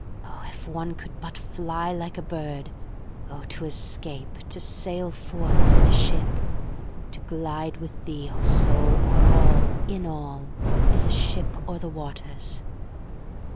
O if one could but fly like a bird!O to escape—to sail forth, as in a ship! To glide with thee, O Soul, o'er all, in all, as a ship o'er the waters!